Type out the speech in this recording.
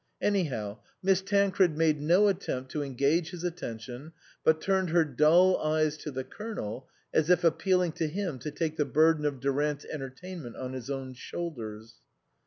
Anyhow Miss Tancred made no attempt to engage his attention, but turned her dull eyes to the Colonel, as if appealing to him to take the burden of Durant's entertainment on his own shoulders.